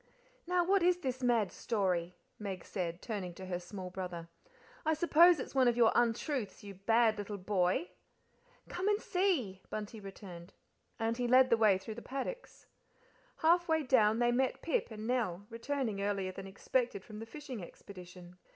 "Now what is this mad story?" Meg said, turning to her small brother. "I suppose it's one of your untruths, you bad little boy." "Come and see,"' Bunty returned, and he led the way through the paddocks. Half way down they met Pip and Nell, returning earlier than expected from the fishing expedition.